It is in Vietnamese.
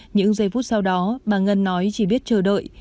những giây phút sau đó bà ngân nói chỉ biết chờ đợi